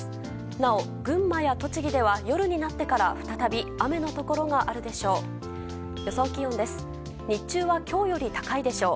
なお、群馬や栃木では夜になってから再び雨のところがあるでしょう。